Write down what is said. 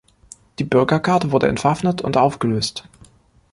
Die Bürgergarde wurde entwaffnet und aufgelöst.